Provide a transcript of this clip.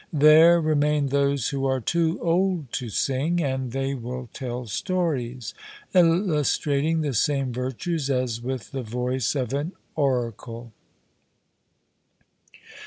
There remain those who are too old to sing, and they will tell stories, illustrating the same virtues, as with the voice of an oracle.